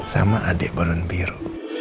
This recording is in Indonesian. sama adik balon biru